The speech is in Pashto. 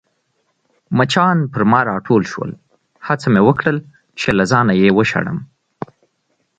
مچان پر ما راټول شول، هڅه مې وکړل چي له ځانه يې وشړم.